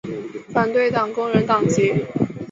反对党工人党籍。